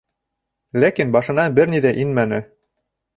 Ләкин башына бер ни ҙә инмәне.